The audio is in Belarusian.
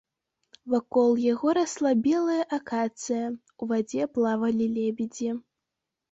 Вакол яго расла белая акацыя, у вадзе плавалі лебедзі.